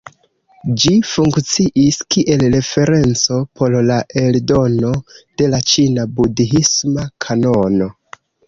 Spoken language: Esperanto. Ĝi funkciis kiel referenco por la eldono de la ĉina budhisma kanono.